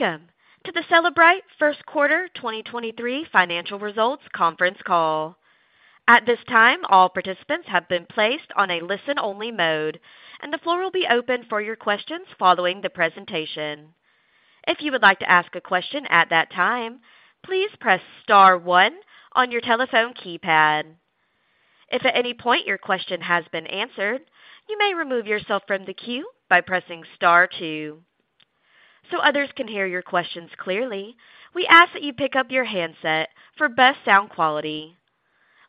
Welcome to the Cellebrite first quarter 2023 financial results conference call. At this time, all participants have been placed on a listen-only mode. The floor will be open for your questions following the presentation. If you would like to ask a question at that time, please press star one on your telephone keypad. If at any point your question has been answered, you may remove yourself from the queue by pressing star two. Others can hear your questions clearly, we ask that you pick up your handset for best sound quality.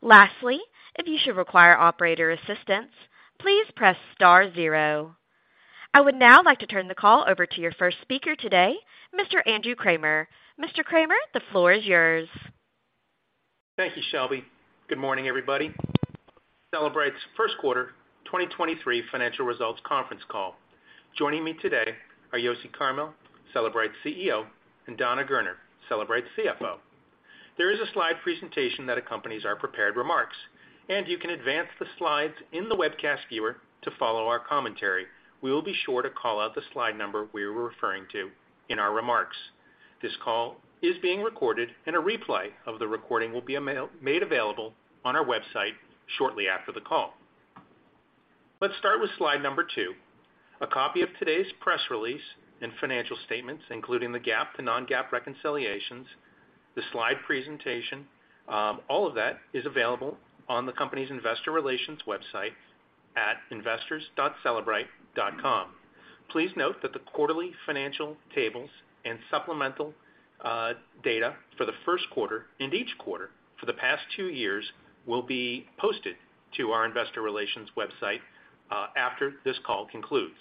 Lastly, if you should require operator assistance, please press star zero. I would now like to turn the call over to your first speaker today, Mr. Andrew Kramer. Mr. Kramer, the floor is yours. Thank you, Shelby. Good morning, everybody. Cellebrite's first quarter 2023 financial results conference call. Joining me today are Yossi Carmil, Cellebrite's CEO, and Dana Gerner, Cellebrite's CFO. There is a slide presentation that accompanies our prepared remarks, and you can advance the slides in the webcast viewer to follow our commentary. We will be sure to call out the slide number we are referring to in our remarks. This call is being recorded, and a replay of the recording will be made available on our website shortly after the call. Let's start with slide number 2. A copy of today's press release and financial statements, including the GAAP to non-GAAP reconciliations, the slide presentation, all of that is available on the company's investor relations website at investors.cellebrite.com. Please note that the quarterly financial tables and supplemental data for the first quarter and each quarter for the past two years will be posted to our investor relations website after this call concludes.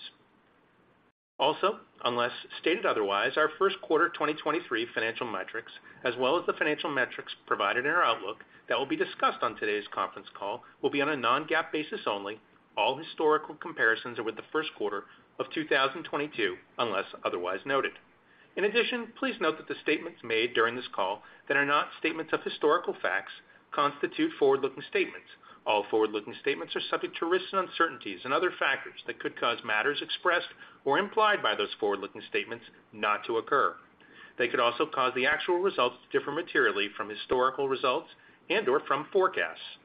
Unless stated otherwise, our first quarter 2023 financial metrics as well as the financial metrics provided in our outlook that will be discussed on today's conference call will be on a non-GAAP basis only. All historical comparisons are with the first quarter of 2022 unless otherwise noted. Please note that the statements made during this call that are not statements of historical facts constitute forward-looking statements. All forward-looking statements are subject to risks and uncertainties and other factors that could cause matters expressed or implied by those forward-looking statements not to occur. They could also cause the actual results to differ materially from historical results and/or from forecasts.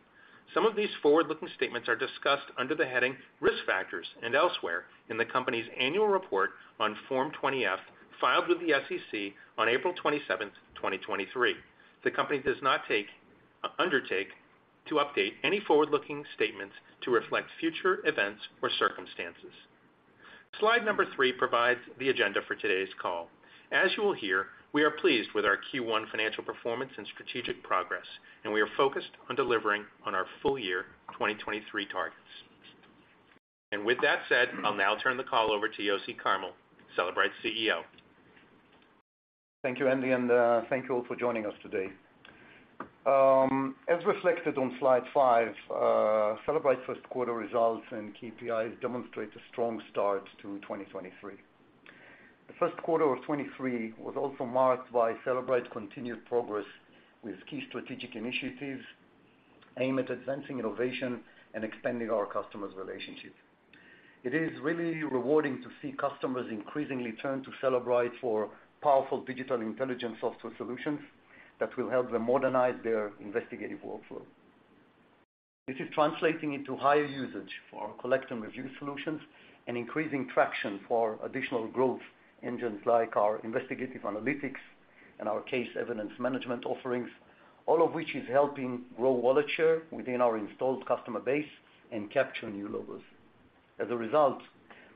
Some of these forward-looking statements are discussed under the heading Risk Factors and elsewhere in the company's annual report on Form 20-F filed with the SEC on April 27th, 2023. The company does not undertake to update any forward-looking statements to reflect future events or circumstances. Slide number 3 provides the agenda for today's call. As you will hear, we are pleased with our Q1 financial performance and strategic progress. We are focused on delivering on our full year 2023 targets. With that said, I'll now turn the call over to Yossi Carmil, Cellebrite's CEO. Thank you, Andy, and thank you all for joining us today. As reflected on slide 5, Cellebrite's first quarter results and KPIs demonstrate a strong start to 2023. The first quarter of 2023 was also marked by Cellebrite's continued progress with key strategic initiatives aimed at advancing innovation and expanding our customers' relationships. It is really rewarding to see customers increasingly turn to Cellebrite for powerful digital intelligence software solutions that will help them modernize their investigative workflow. This is translating into higher usage for our Collect and Review solutions and increasing traction for additional growth engines like our Investigative Analytics and our Case and Evidence Management offerings, all of which is helping grow wallet share within our installed customer base and capture new logos. As a result,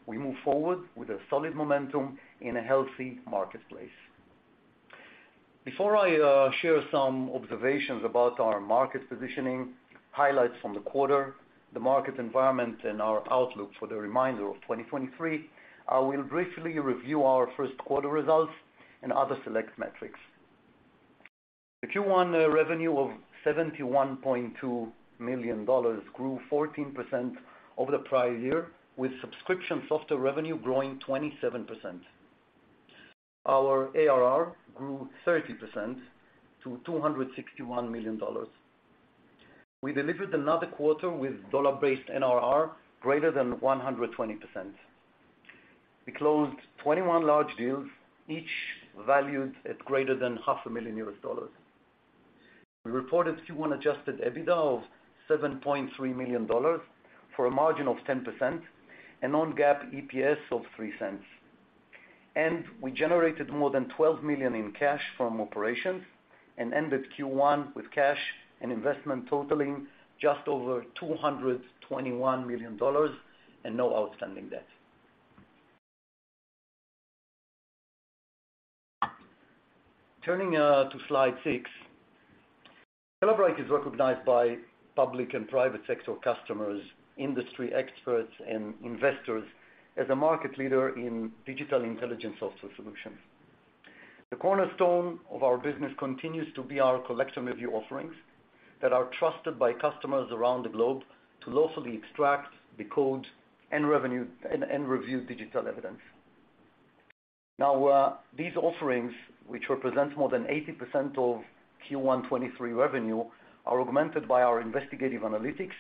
we move forward with a solid momentum in a healthy marketplace. Before I share some observations about our market positioning, highlights from the quarter, the market environment, and our outlook for the remainder of 2023, I will briefly review our first quarter results and other select metrics. The Q1 revenue of $71.2 million grew 14% over the prior year, with subscription software revenue growing 27%. Our ARR grew 30% to $261 million. We delivered another quarter with dollar-based NRR greater than 120%. We closed 21 large deals, each valued at greater than half a million U.S. dollars. We reported Q1 Adjusted EBITDA of $7.3 million for a margin of 10% and non-GAAP EPS of $0.03. We generated more than $12 million in cash from operations and ended Q1 with cash and investment totaling just over $221 million and no outstanding debt. Turning to slide 6. Cellebrite is recognized by public and private sector customers, industry experts, and investors as a market leader in digital intelligence software solutions. The cornerstone of our business continues to be our Collect and Review offerings that are trusted by customers around the globe to lawfully extract, decode, and review digital evidence. These offerings, which represents more than 80% of Q1 2023 revenue, are augmented by our Investigative Analytics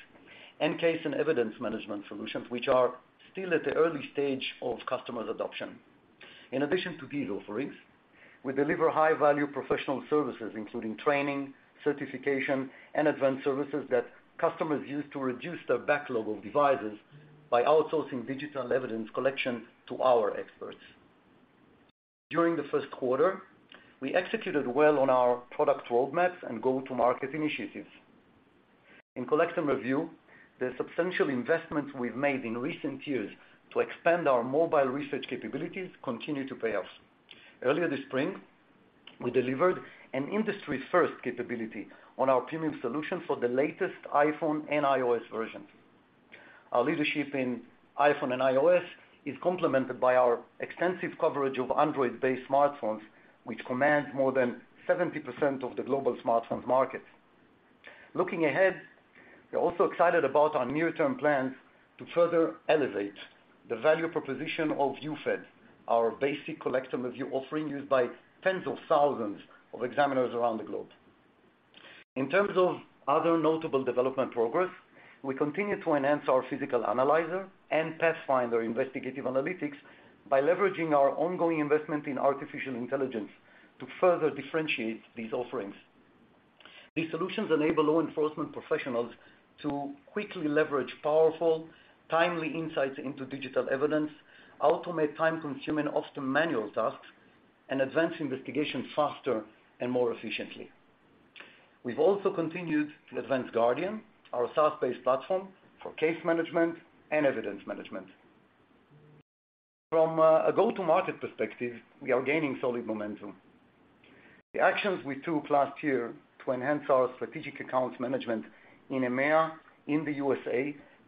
and Case and Evidence Management solutions, which are still at the early stage of customer adoption. In addition to these offerings, we deliver high-value professional services, including training, certification, and advanced services that customers use to reduce their backlog of devices by outsourcing digital evidence collection to our experts. During the first quarter, we executed well on our product roadmaps and go-to-market initiatives. In Collect and Review, the substantial investments we've made in recent years to expand our mobile research capabilities continue to pay off. Earlier this spring, we delivered an industry-first capability on our Premium solution for the latest iPhone and iOS versions. Our leadership in iPhone and iOS is complemented by our extensive coverage of Android-based smartphones, which command more than 70% of the global smartphone market. Looking ahead, we're also excited about our near-term plans to further elevate the value proposition of UFED, our basic Collect and Review offering used by tens of thousands of examiners around the globe. In terms of other notable development progress, we continue to enhance our Physical Analyzer and Pathfinder Investigative Analytics by leveraging our ongoing investment in artificial intelligence to further differentiate these offerings. These solutions enable law enforcement professionals to quickly leverage powerful, timely insights into digital evidence, automate time-consuming, often manual tasks, and advance investigations faster and more efficiently. We've also continued to advance Guardian, our SaaS-based platform for case management and evidence management. From a go-to-market perspective, we are gaining solid momentum. The actions we took last year to enhance our strategic accounts management in EMEA, in the U.S.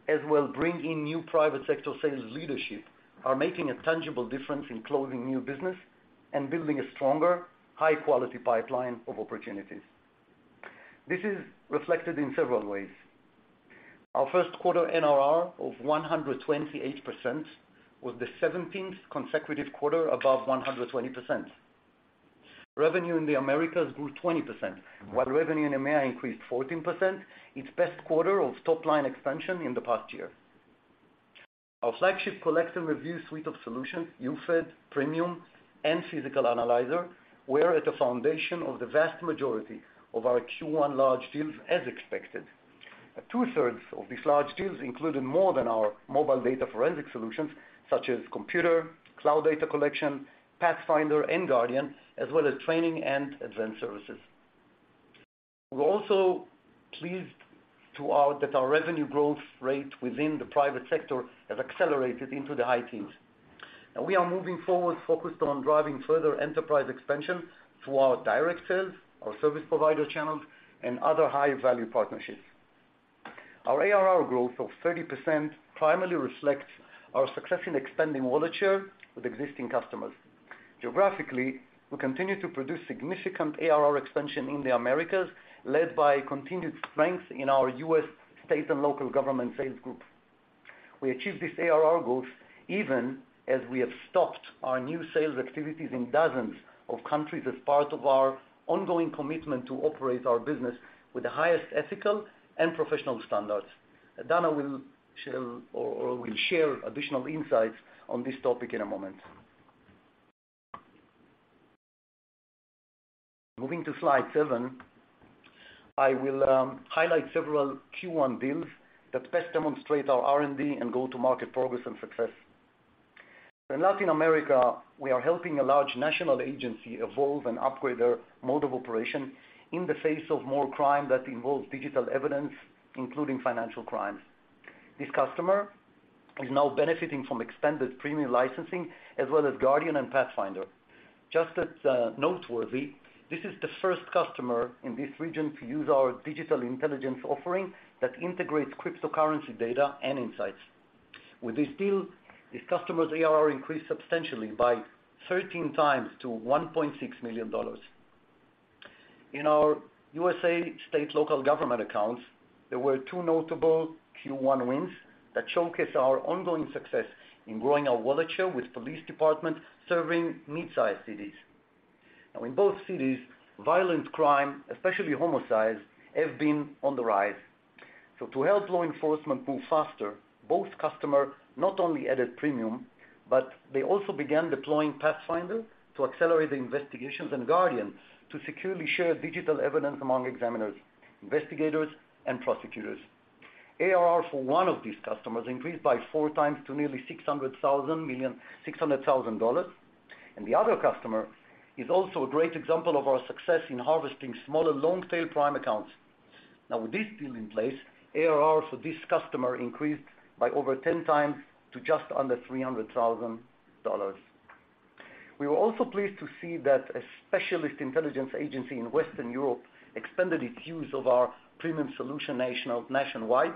as well bring in new private sector sales leadership, are making a tangible difference in closing new business and building a stronger, high-quality pipeline of opportunities. This is reflected in several ways. Our first quarter NRR of 128% was the 17th consecutive quarter above 120%. Revenue in the Americas grew 20%, while revenue in EMEA increased 14%, its best quarter of top-line expansion in the past year. Our flagship Collect and Review suite of solutions, UFED Premium and Physical Analyzer, were at the foundation of the vast majority of our Q1 large deals as expected. Two-thirds of these large deals included more than our mobile data forensic solutions, such as computer, cloud data collection, Pathfinder, and Guardian, as well as training and advanced services. We're also pleased that our revenue growth rate within the private sector has accelerated into the high teens. We are moving forward focused on driving further enterprise expansion through our direct sales, our service provider channels, and other high-value partnerships. Our ARR growth of 30% primarily reflects our success in expanding wallet share with existing customers. Geographically, we continue to produce significant ARR expansion in the Americas, led by continued strength in our U.S. state and local government sales group. We achieved this ARR growth even as we have stopped our new sales activities in dozens of countries as part of our ongoing commitment to operate our business with the highest ethical and professional standards. Dana will share, or will share additional insights on this topic in a moment. Moving to slide 7, I will highlight several Q1 deals that best demonstrate our R&D and go-to-market progress and success. In Latin America, we are helping a large national agency evolve and upgrade their mode of operation in the face of more crime that involves digital evidence, including financial crimes. This customer is now benefiting from expanded Premium licensing as well as Guardian and Pathfinder. Just as noteworthy, this is the first customer in this region to use our digital intelligence offering that integrates cryptocurrency data and insights. With this deal, this customer's ARR increased substantially by 13 times to $1.6 million. In our USA state local government accounts, there were two notable Q1 wins that showcase our ongoing success in growing our wallet share with police departments serving mid-sized cities. In both cities, violent crime, especially homicides, have been on the rise. To help law enforcement move faster, both customer not only added Premium, but they also began deploying Pathfinder to accelerate the investigations and Guardian to securely share digital evidence among examiners, investigators, and prosecutors. ARR for one of these customers increased by four times to nearly $600,000. The other customer is also a great example of our success in harvesting smaller long-tail prime accounts. Now with this deal in place, ARR for this customer increased by over ten times to just under $300,000. We were also pleased to see that a specialist intelligence agency in Western Europe expanded its use of our Premium solution nationwide,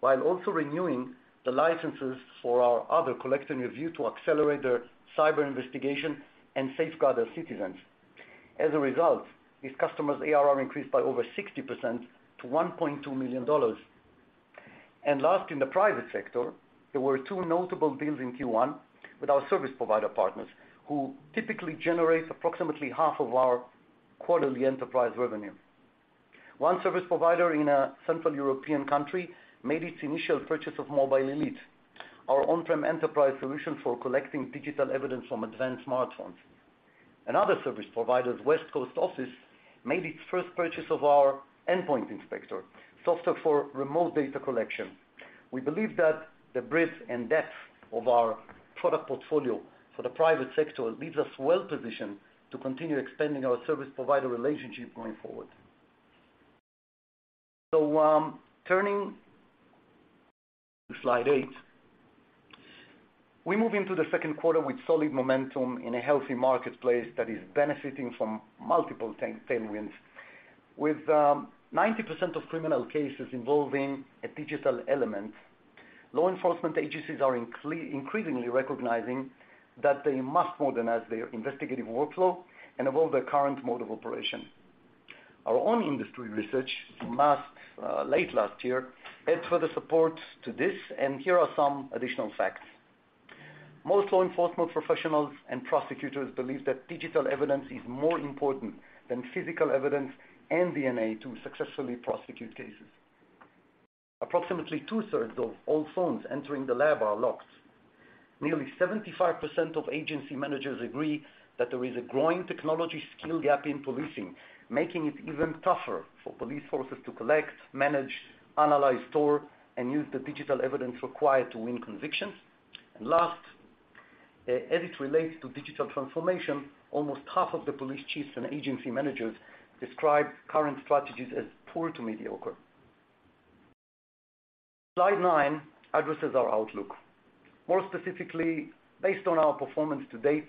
while also renewing the licenses for our other Collect and Review to accelerate their cyber investigation and safeguard their citizens. As a result, this customer's ARR increased by over 60% to $1.2 million. Last, in the private sector, there were two notable deals in Q1 with our service provider partners, who typically generate approximately half of our quarterly enterprise revenue. One service provider in a central European country made its initial purchase of Mobile Elite, our on-prem enterprise solution for collecting digital evidence from advanced smartphones. Another service provider's West Coast office made its first purchase of our Endpoint Inspector, software for remote data collection. We believe that the breadth and depth of our product portfolio for the private sector leaves us well-positioned to continue expanding our service provider relationship going forward. Turning to slide 8, we move into the second quarter with solid momentum in a healthy marketplace that is benefiting from multiple tailwinds. With 90% of criminal cases involving a digital element, law enforcement agencies are increasingly recognizing that they must modernize their investigative workflow and evolve their current mode of operation. Our own industry research last late last year adds further support to this, and here are some additional facts. Most law enforcement professionals and prosecutors believe that digital evidence is more important than physical evidence and DNA to successfully prosecute cases. Approximately 2/3 of all phones entering the lab are locked. Nearly 75% of agency managers agree that there is a growing technology skill gap in policing, making it even tougher for police forces to collect, manage, analyze, store, and use the digital evidence required to win convictions. Last, as it relates to digital transformation, almost half of the police chiefs and agency managers describe current strategies as poor to mediocre. Slide 9 addresses our outlook. More specifically, based on our performance to date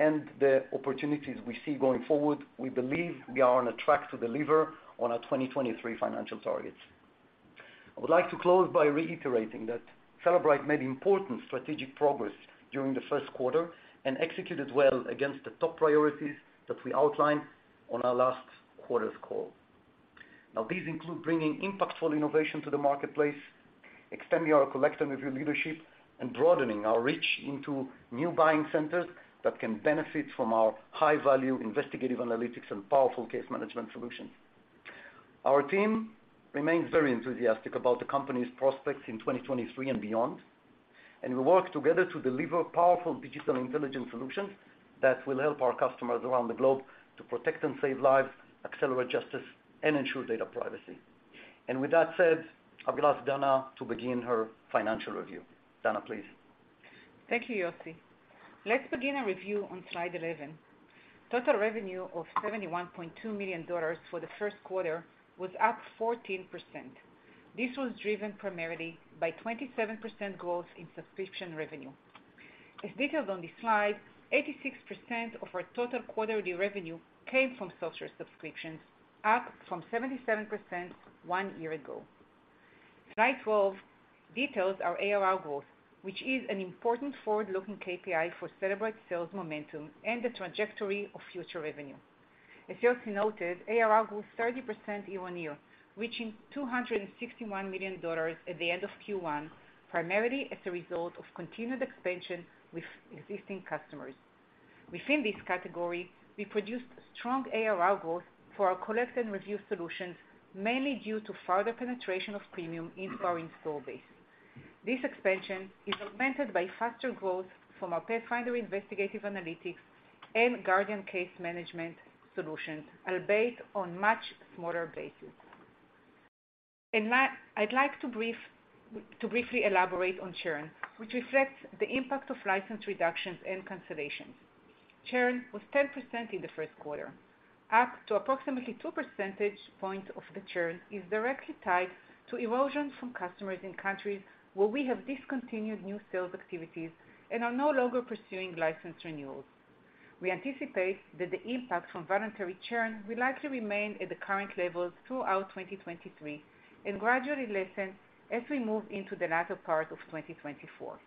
and the opportunities we see going forward, we believe we are on a track to deliver on our 2023 financial targets. I would like to close by reiterating that Cellebrite made important strategic progress during the first quarter and executed well against the top priorities that we outlined on our last quarter's call. These include bringing impactful innovation to the marketplace, extending our Collect and Review leadership, and broadening our reach into new buying centers that can benefit from our high-value Investigative Analytics and powerful case management solutions. Our team remains very enthusiastic about the company's prospects in 2023 and beyond, we work together to deliver powerful digital intelligence solutions that will help our customers around the globe to protect and save lives, accelerate justice, and ensure data privacy. With that said, I'll ask Dana to begin her financial review. Dana, please. Thank you, Yossi. Let's begin our review on slide 11. Total revenue of $71.2 million for the first quarter was up 14%. This was driven primarily by 27% growth in subscription revenue. As detailed on this slide, 86% of our total quarterly revenue came from software subscriptions, up from 77% one year ago. Slide 12 details our ARR growth, which is an important forward-looking KPI for Cellebrite sales momentum and the trajectory of future revenue. As Yossi noted, ARR grew 30% year-on-year, reaching $261 million at the end of Q1, primarily as a result of continued expansion with existing customers. Within this category, we produced strong ARR growth for our Collect and Review solutions, mainly due to further penetration of Premium into our install base. This expansion is augmented by faster growth from our Pathfinder investigative analytics and Guardian case management solutions, albeit on much smaller bases. I'd like to briefly elaborate on churn, which reflects the impact of license reductions and consolidations. Churn was 10% in the first quarter. Up to approximately two percentage points of the churn is directly tied to erosion from customers in countries where we have discontinued new sales activities and are no longer pursuing license renewals. We anticipate that the impact from voluntary churn will likely remain at the current levels throughout 2023 and gradually lessen as we move into the latter part of 2024.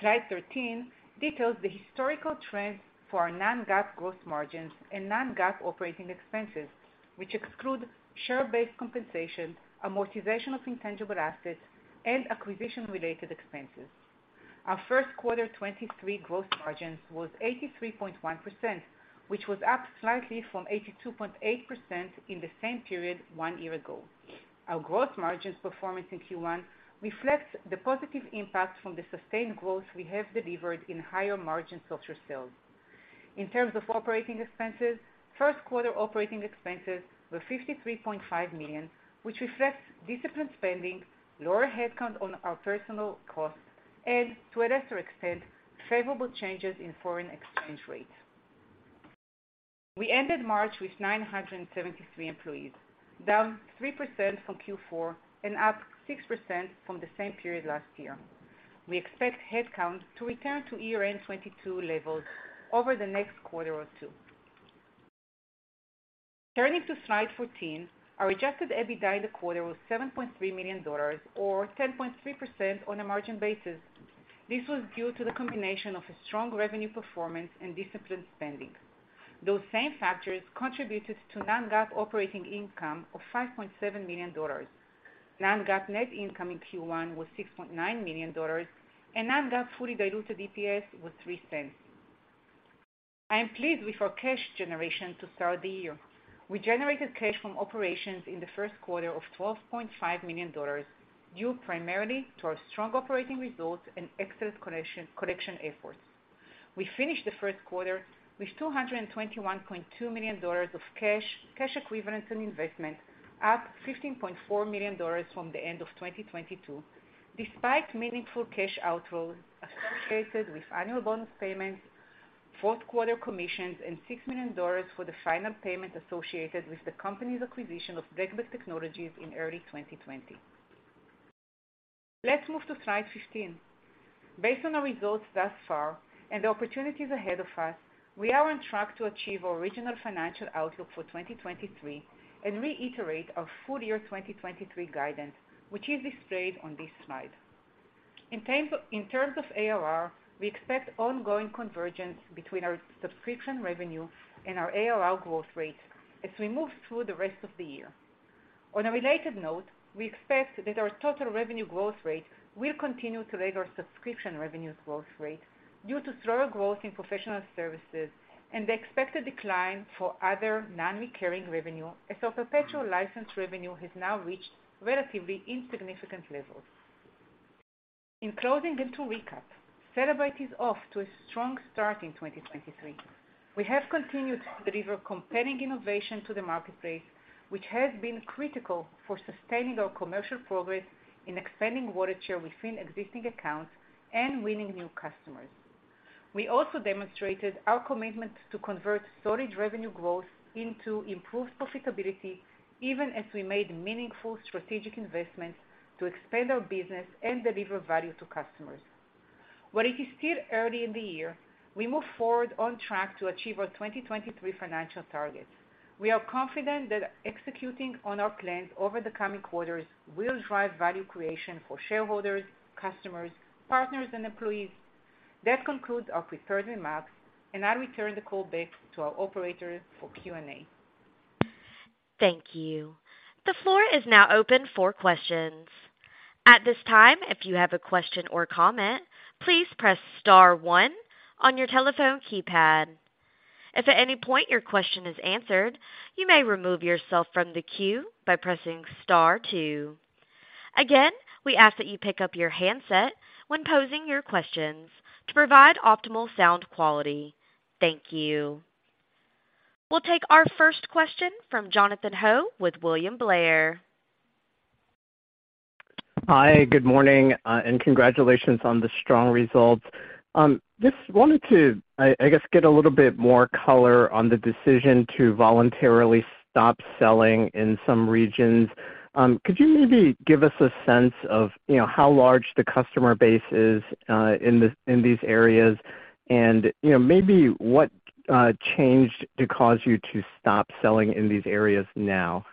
Slide 13 details the historical trends for our non-GAAP gross margins and non-GAAP operating expenses, which exclude share-based compensation, amortization of intangible assets, and acquisition-related expenses. Our first quarter 2023 gross margins was 83.1%, which was up slightly from 82.8% in the same period 1 year ago. Our gross margins performance in Q1 reflects the positive impact from the sustained growth we have delivered in higher-margin software sales. In terms of operating expenses, first quarter operating expenses were $53.5 million, which reflects disciplined spending, lower headcount on our personnel costs, and, to a lesser extent, favorable changes in foreign exchange rates. We ended March with 973 employees, down 3% from Q4 and up 6% from the same period last year. We expect headcount to return to year-end 2022 levels over the next quarter or two. Turning to slide 14, our adjusted EBITDA in the quarter was $7.3 million or 10.3% on a margin basis. This was due to the combination of a strong revenue performance and disciplined spending. Those same factors contributed to non-GAAP operating income of $5.7 million. Non-GAAP net income in Q1 was $6.9 million, and non-GAAP fully diluted EPS was $0.03. I am pleased with our cash generation to start the year. We generated cash from operations in the first quarter of $12.5 million, due primarily to our strong operating results and excess collection efforts. We finished the first quarter with $221.2 million of cash equivalents, and investment, up $15.4 million from the end of 2022, despite meaningful cash outflows associated with annual bonus payments, fourth quarter commissions, and $6 million for the final payment associated with the company's acquisition of BlackBag Technologies in early 2020. Let's move to slide 15. Based on the results thus far and the opportunities ahead of us, we are on track to achieve our original financial outlook for 2023 and reiterate our full year 2023 guidance, which is displayed on this slide. In terms of ARR, we expect ongoing convergence between our subscription revenue and our ARR growth rate as we move through the rest of the year. On a related note, we expect that our total revenue growth rate will continue to lag our subscription revenues growth rate due to slower growth in professional services and the expected decline for other non-recurring revenue as our perpetual license revenue has now reached relatively insignificant levels. In closing and to recap, Cellebrite is off to a strong start in 2023. We have continued to deliver compelling innovation to the marketplace, which has been critical for sustaining our commercial progress in expanding wallet share within existing accounts and winning new customers. We also demonstrated our commitment to convert storage revenue growth into improved profitability even as we made meaningful strategic investments to expand our business and deliver value to customers. While it is still early in the year, we move forward on track to achieve our 2023 financial targets. We are confident that executing on our plans over the coming quarters will drive value creation for shareholders, customers, partners, and employees. That concludes our prepared remarks, and I'll return the call back to our operator for Q&A. Thank you. The floor is now open for questions. At this time, if you have a question or comment, please press star one on your telephone keypad. If at any point your question is answered, you may remove yourself from the queue by pressing star two. Again, we ask that you pick up your handset when posing your questions to provide optimal sound quality. Thank you. We'll take our first question from Jonathan Ho with William Blair. Hi. Good morning, and congratulations on the strong results. Just wanted to, I guess, get a little bit more color on the decision to voluntarily stop selling in some regions. Could you maybe give us a sense of, you know, how large the customer base is in the, in these areas and, you know, maybe what changed to cause you to stop selling in these areas now?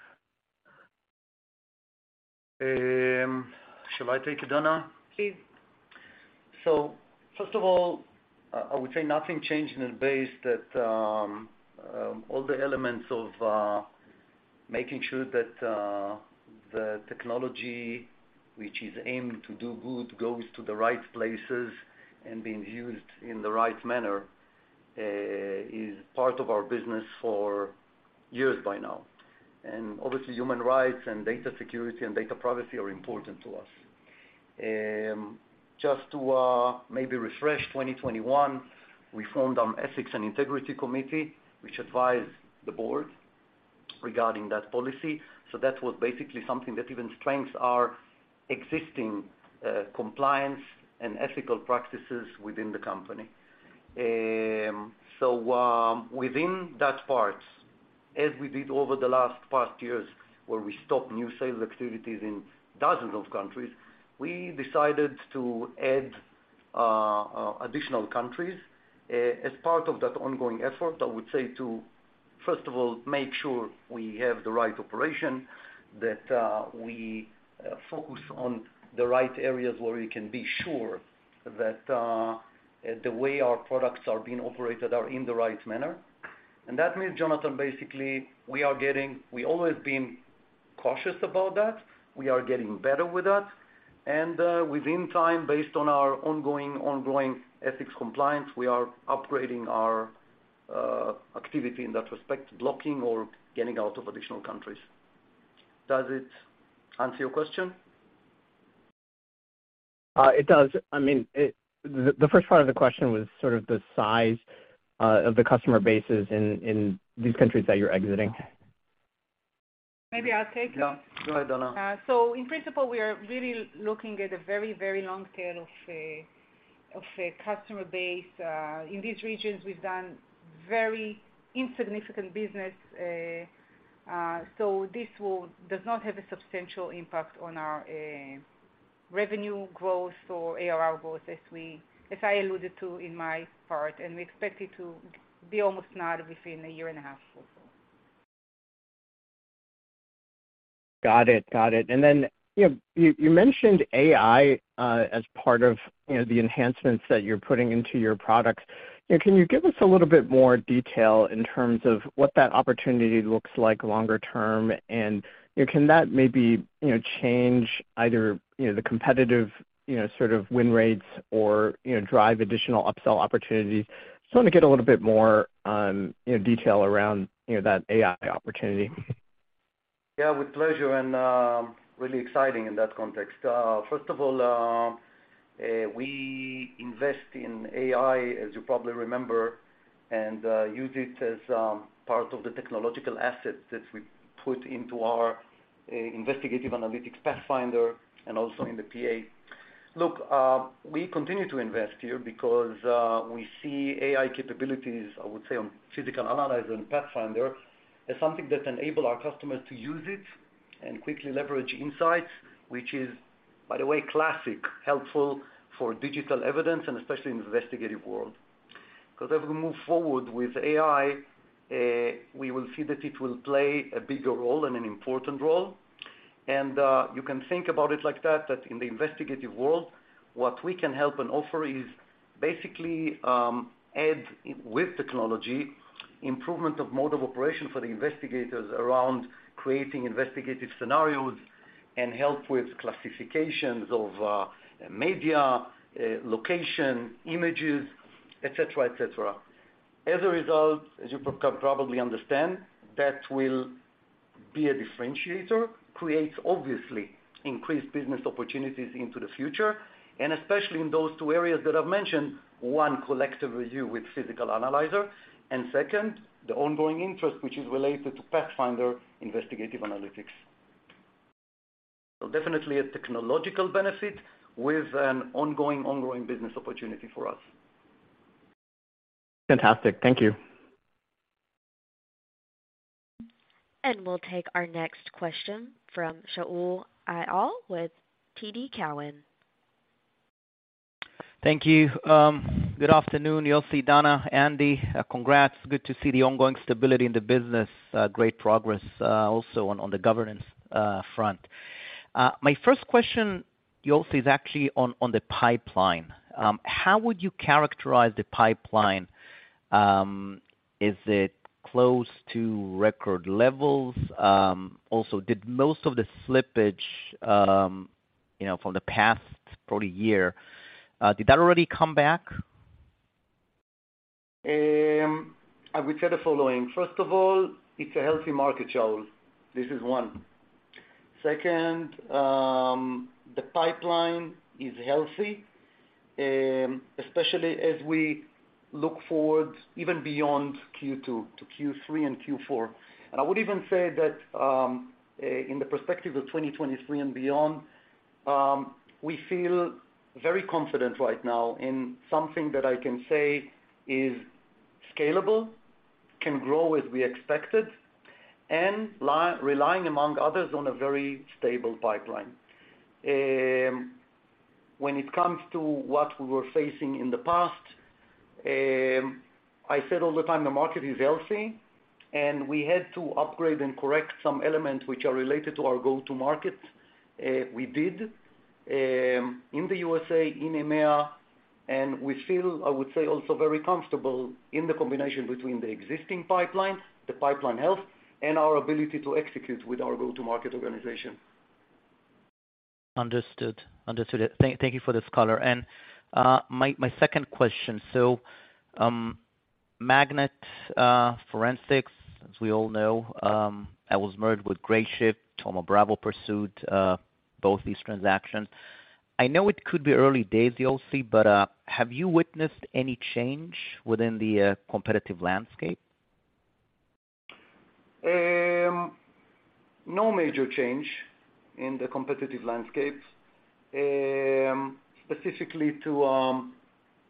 Shall I take it, Dana? Please. First of all, I would say nothing changed in the base that all the elements of making sure that the technology which is aimed to do good goes to the right places and being used in the right manner is part of our business for years by now. Obviously, human rights and data security and data privacy are important to us. Just to maybe refresh 2021, we formed our Ethics & Integrity Committee, which advised the board regarding that policy. That was basically something that even strengths our existing compliance and ethical practices within the company. Within that part, as we did over the last past years where we stopped new sales activities in dozens of countries, we decided to add additional countries as part of that ongoing effort, I would say to, first of all, make sure we have the right operation, that we focus on the right areas where we can be sure that the way our products are being operated are in the right manner. That means, Jonathan, We always been cautious about that. We are getting better with that. Within time, based on our ongoing ethics compliance, we are upgrading our activity in that respect, blocking or getting out of additional countries. Does it answer your question? It does. I mean, The first part of the question was sort of the size of the customer bases in these countries that you're exiting. Maybe I'll take that. Yeah. Go ahead, Dana. In principle, we are really looking at a very, very long tail of a customer base. In these regions, we've done very insignificant business. Does not have a substantial impact on our revenue growth or ARR growth as we, as I alluded to in my part, and we expect it to be almost none within a year and a half also. Got it. Got it. You know, you mentioned AI as part of, you know, the enhancements that you're putting into your products. You know, can you give us a little bit more detail in terms of what that opportunity looks like longer term? You know, can that maybe, you know, change either, you know, the competitive, you know, sort of win rates or, you know, drive additional upsell opportunities? Just wanna get a little bit more, you know, detail around, you know, that AI opportunity. With pleasure and really exciting in that context. First of all, we invest in AI, as you probably remember, and use it as part of the technological assets that we put into our investigative analytics Pathfinder and also in the PA. Look, we continue to invest here because we see AI capabilities, I would say, on Physical Analyzer and Pathfinder as something that enable our customers to use it and quickly leverage insights, which is, by the way, classic, helpful for digital evidence and especially in the investigative world. As we move forward with AI, we will see that it will play a bigger role and an important role. You can think about it like that in the investigative world, what we can help and offer is basically add with technology, improvement of mode of operation for the investigators around creating investigative scenarios and help with classifications of media, location, images, et cetera, et cetera. As a result, as you probably understand, that will be a differentiator, creates obviously increased business opportunities into the future, and especially in those two areas that I've mentioned. One, collective review with Physical Analyzer, and second, the ongoing interest which is related to Pathfinder Investigative Analytics. Definitely a technological benefit with an ongoing business opportunity for us. Fantastic. Thank you. We'll take our next question from Shaul Eyal with TD Cowen. Thank you. Good afternoon, Yossi, Dana, Andy. Congrats. Good to see the ongoing stability in the business. Great progress also on the governance front. My first question, Yossi, is actually on the pipeline. How would you characterize the pipeline? Is it close to record levels? Also, did most of the slippage, you know, from the past probably year, did that already come back? I would say the following. First of all, it's a healthy market, Shaul. This is one. Second, the pipeline is healthy, especially as we look forward even beyond Q2 to Q3 and Q4. I would even say that, in the perspective of 2023 and beyond, we feel very confident right now in something that I can say is scalable, can grow as we expected, and relying among others on a very stable pipeline. When it comes to what we were facing in the past, I said all the time the market is healthy, and we had to upgrade and correct some elements which are related to our go-to-market. We did in the USA, in EMEA, we feel very comfortable in the combination between the existing pipelines, the pipeline health, and our ability to execute with our go-to-market organization. Understood. Thank you for this color. My second question. Magnet Forensics, as we all know, that was merged with Grayshift, Thoma Bravo pursued both these transactions. I know it could be early days, Yossi, but have you witnessed any change within the competitive landscape? No major change in the competitive landscape. Specifically to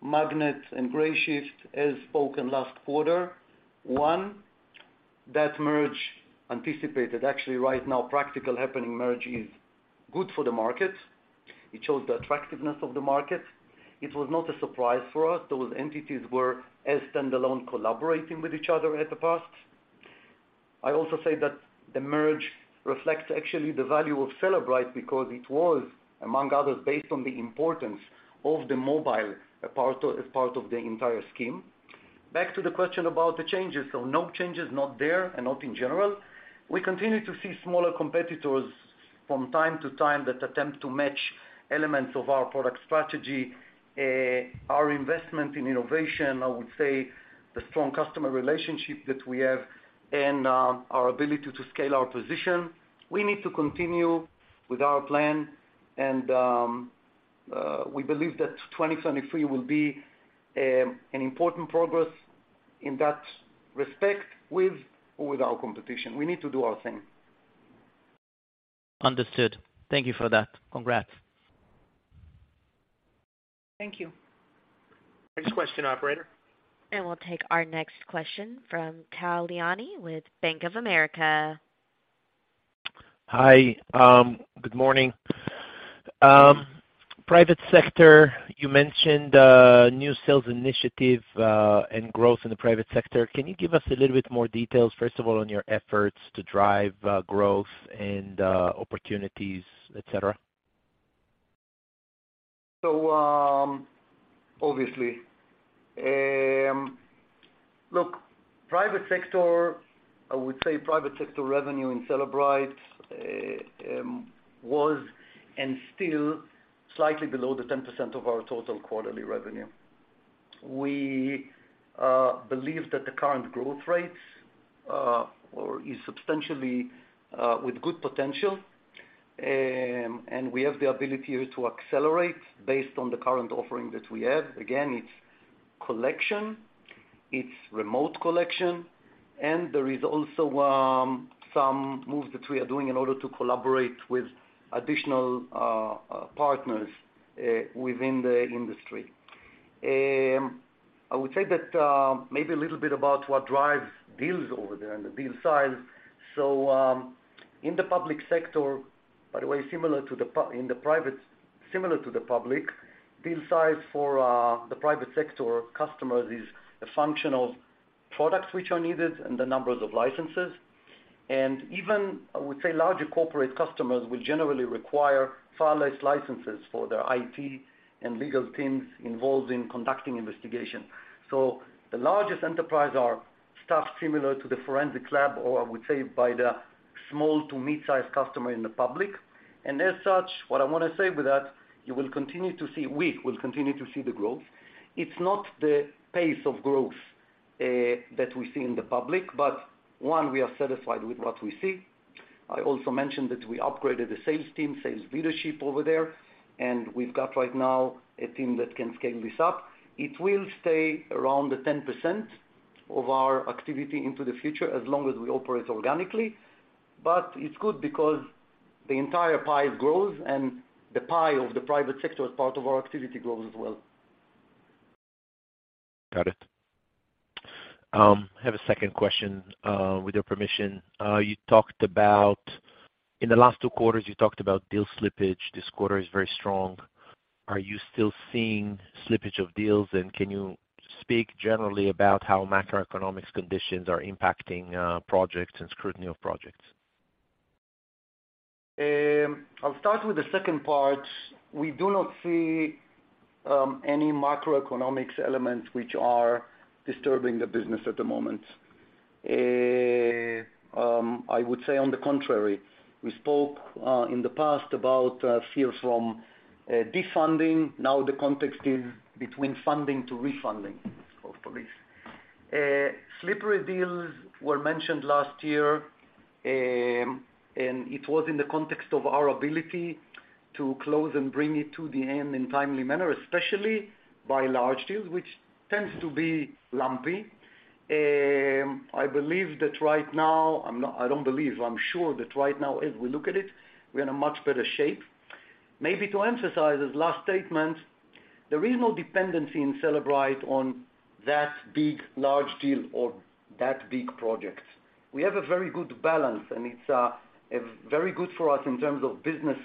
Magnet and Grayshift, as spoken last quarter, one, that merge anticipated, actually right now, practical happening merge is good for the market. It shows the attractiveness of the market. It was not a surprise for us. Those entities were as standalone collaborating with each other at the past. I also say that the merge reflects actually the value of Cellebrite because it was, among others, based on the importance of the mobile a part of, as part of the entire scheme. Back to the question about the changes. No changes, not there and not in general. We continue to see smaller competitors from time to time that attempt to match elements of our product strategy. Our investment in innovation, I would say, the strong customer relationship that we have and, our ability to scale our position. We need to continue with our plan and, we believe that 2023 will be an important progress in that respect with or without competition. We need to do our thing. Understood. Thank you for that. Congrats. Thank you. Next question, operator. We'll take our next question from Tal Liani with Bank of America. Hi. Good morning. Private sector, you mentioned, new sales initiative, and growth in the private sector. Can you give us a little bit more details, first of all, on your efforts to drive, growth and, opportunities, et cetera? Obviously. Look, private sector, I would say private sector revenue in Cellebrite was and still slightly below the 10% of our total quarterly revenue. We believe that the current growth rates or is substantially with good potential. We have the ability to accelerate based on the current offering that we have. Again, it's collection, it's remote collection, and there is also some moves that we are doing in order to collaborate with additional partners within the industry. I would say that maybe a little bit about what drives deals over there and the deal size. In the public sector, by the way, similar to the private, similar to the public, deal size for the private sector customers is a function of products which are needed and the numbers of licenses. Even, I would say, larger corporate customers will generally require far less licenses for their IT and legal teams involved in conducting investigation. The largest enterprise are staffed similar to the forensic lab or I would say by the small to mid-size customer in the public. As such, what I wanna say with that, you will continue to see, we will continue to see the growth. It's not the pace of growth that we see in the public, but one, we are satisfied with what we see. I also mentioned that we upgraded the sales team, sales leadership over there, and we've got right now a team that can scale this up. It will stay around the 10% of our activity into the future as long as we operate organically, but it's good because the entire pie is growth and the pie of the private sector as part of our activity grows as well. Got it. I have a second question, with your permission. You talked about... In the last 2 quarters, you talked about deal slippage. This quarter is very strong. Are you still seeing slippage of deals? Can you speak generally about how macroeconomics conditions are impacting, projects and scrutiny of projects? I'll start with the second part. We do not see any macroeconomics elements which are disturbing the business at the moment. I would say on the contrary. We spoke in the past about fear from defunding. Now the context is between funding to refunding of police. Slippery deals were mentioned last year, and it was in the context of our ability to close and bring it to the end in timely manner, especially by large deals, which tends to be lumpy. I believe that right now, I'm not, I don't believe, I'm sure that right now as we look at it, we're in a much better shape. Maybe to emphasize his last statement, there is no dependency in Cellebrite on that big large deal or that big project. We have a very good balance. It's very good for us in terms of business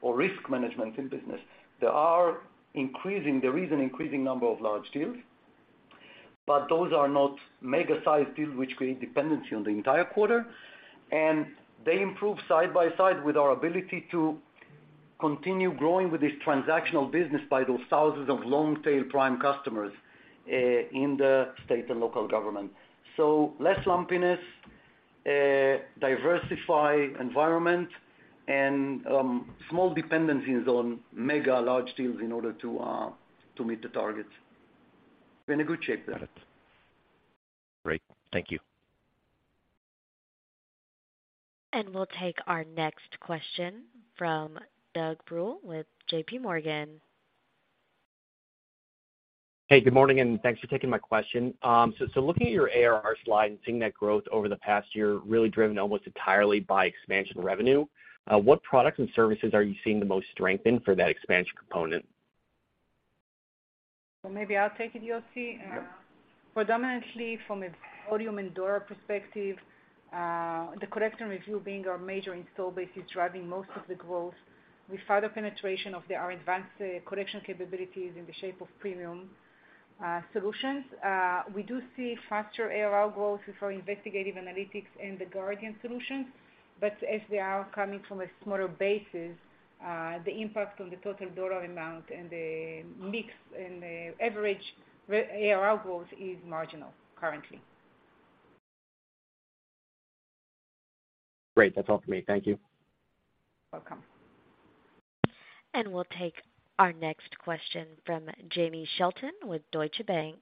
or risk management in business. There is an increasing number of large deals, but those are not mega-sized deals which create dependency on the entire quarter, and they improve side by side with our ability to continue growing with this transactional business by those thousands of long-tail prime customers in the state and local government. Less lumpiness, diversify environment, and small dependencies on mega large deals in order to meet the targets. We're in a good shape there. Got it. Great. Thank you. We'll take our next question from Douglas Bruhl with JPMorgan. Good morning, and thanks for taking my question. Looking at your ARR slide and seeing that growth over the past year really driven almost entirely by expansion revenue, what products and services are you seeing the most strength in for that expansion component? Maybe I'll take it, Yossi. Yeah. Predominantly from a volume and $ perspective, the Collect and Review being our major install base is driving most of the growth. We further penetration of the, our advanced, correction capabilities in the shape of Premium solutions. We do see faster ARR growth for Investigative Analytics and the Guardian solutions, as they are coming from a smaller basis, the impact on the total $ amount and the mix and the average ARR growth is marginal currently. Great. That's all for me. Thank you. Welcome. We'll take our next question from Jamie Shelton with Deutsche Bank.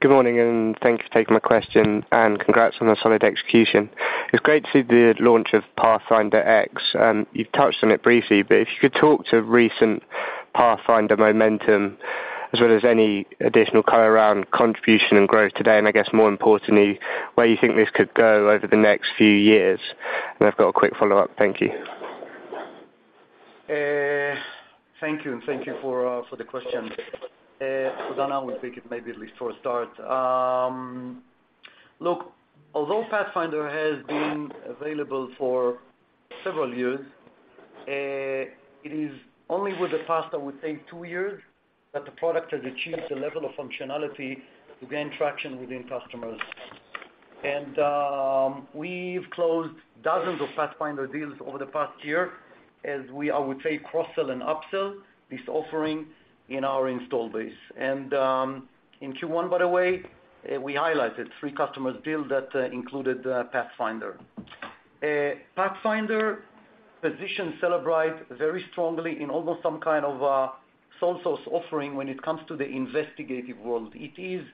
Good morning. Thanks for taking my question, and congrats on the solid execution. It's great to see the launch of Pathfinder X. You've touched on it briefly, but if you could talk to recent Pathfinder momentum as well as any additional color around contribution and growth today, and I guess more importantly, where you think this could go over the next few years. I've got a quick follow-up. Thank you. Thank you, thank you for the question. Dana will take it maybe at least for a start. Look, although Pathfinder has been available for several years, it is only with the past, I would say two years, that the product has achieved a level of functionality to gain traction within customers. We've closed dozens of Pathfinder deals over the past year as we, I would say, cross-sell and upsell this offering in our install base. In Q1, by the way, we highlighted three customers deals that included Pathfinder. Pathfinder positions Cellebrite very strongly in almost some kind of a sole source offering when it comes to the investigative world. It is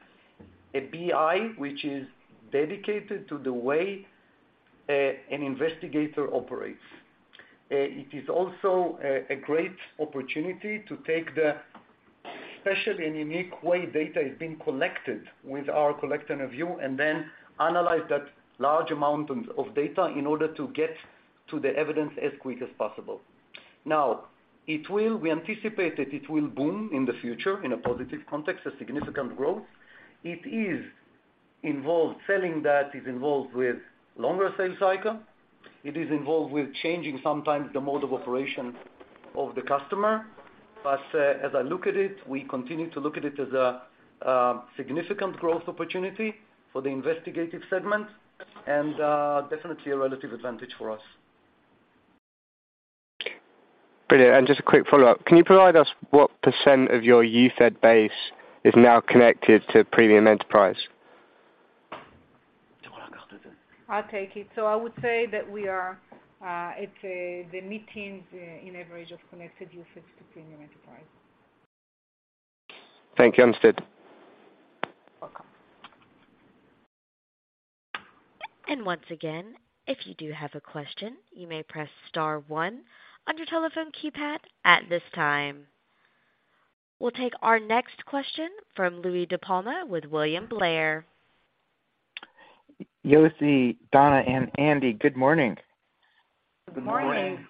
a BI, which is dedicated to the way an investigator operates. It is also a great opportunity to take the special and unique way data is being collected with our Collect and Review, and then analyze that large amount of data in order to get to the evidence as quick as possible. We anticipate that it will boom in the future in a positive context, a significant growth. Selling that is involved with longer sales cycle. It is involved with changing sometimes the mode of operation of the customer. As I look at it, we continue to look at it as a significant growth opportunity for the investigative segment and definitely a relative advantage for us. Brilliant. Just a quick follow-up. Can you provide us what % of your UFED base is now connected to Premium Enterprise? I'll take it. I would say that we are at the mid-teens in average of connected UFEDs to Premium Enterprise. Thank you. I'm stayed. Welcome. Once again, if you do have a question, you may press star one on your telephone keypad at this time. We'll take our next question from Louie DiPalma with William Blair. Yossi, Dana, and Andy, good morning. Good morning.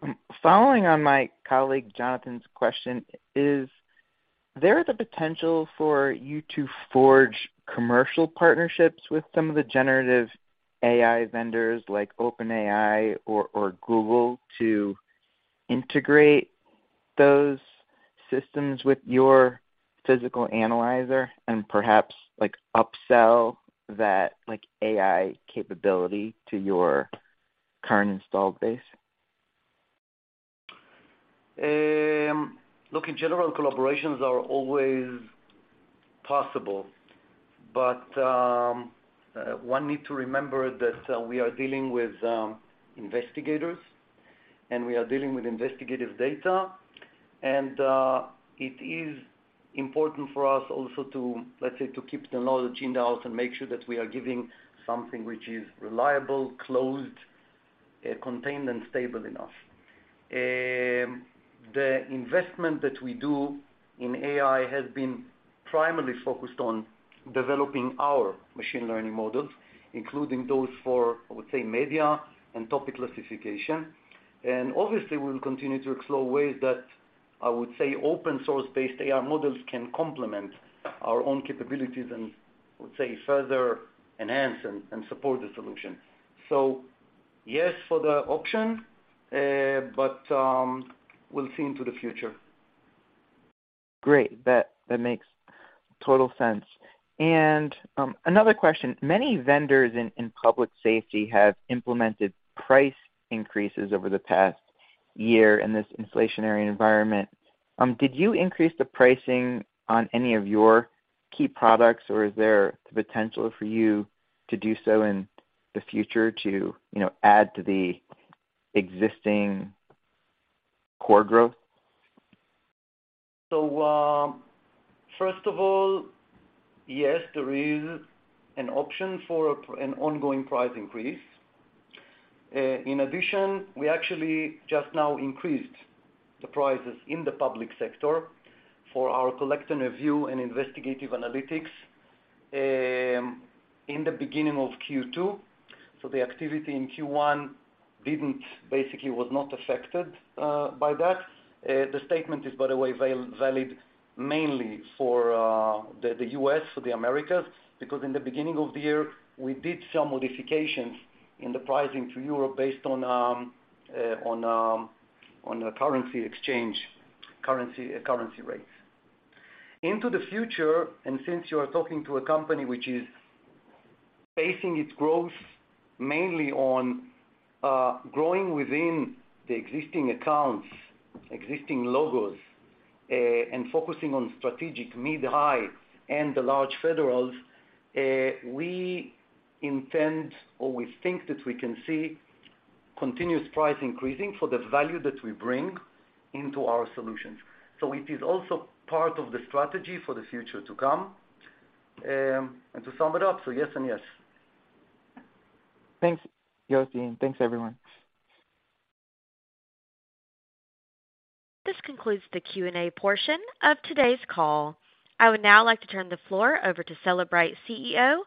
Good morning. Following on my colleague Jonathan's question, is there the potential for you to forge commercial partnerships with some of the generative AI vendors like OpenAI or Google to integrate those systems with your Physical Analyzer and perhaps like upsell that like AI capability to your current installed base? Look, in general, collaborations are always possible. One need to remember that we are dealing with investigators, and we are dealing with investigative data. It is important for us also to, let's say, to keep the knowledge in-house and make sure that we are giving something which is reliable, closed, contained, and stable enough. The investment that we do in AI has been primarily focused on developing our machine learning models, including those for, I would say, media and topic classification. Obviously, we'll continue to explore ways that I would say open source-based AI models can complement our own capabilities and I would say further enhance and support the solution. Yes, for the option, but we'll see into the future. Great. That makes total sense. Another question. Many vendors in public safety have implemented price increases over the past year in this inflationary environment. Did you increase the pricing on any of your key products, or is there the potential for you to do so in the future to, you know, add to the existing core growth? First of all, yes, there is an option for an ongoing price increase. In addition, we actually just now increased the prices in the public sector for our Collect and Review and Investigative Analytics in the beginning of Q2. The activity in Q1 basically was not affected by that. The statement is, by the way, valid mainly for the U.S., for the Americas, because in the beginning of the year, we did some modifications in the pricing to Europe based on the currency exchange rates. Into the future, since you are talking to a company which is basing its growth mainly on growing within the existing accounts, existing logos, and focusing on strategic mid-high and the large federals, we intend or we think that we can see continuous price increasing for the value that we bring into our solutions. It is also part of the strategy for the future to come. To sum it up, yes and yes. Thanks, Yossi, and thanks, everyone. This concludes the Q&A portion of today's call. I would now like to turn the floor over to Cellebrite CEO,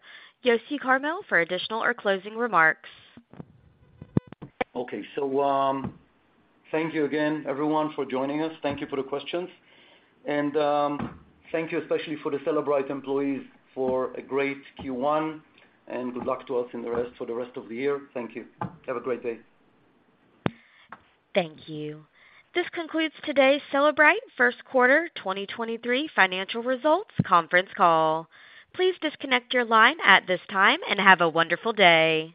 Yossi Carmil, for additional or closing remarks. Okay. Thank you again everyone for joining us. Thank you for the questions. Thank you especially for the Cellebrite employees for a great Q1, and good luck to us for the rest of the year. Thank you. Have a great day. Thank you. This concludes today's Cellebrite first quarter 2023 financial results conference call. Please disconnect your line at this time and have a wonderful day.